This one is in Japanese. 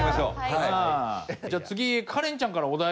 じゃあ次カレンちゃんからお題。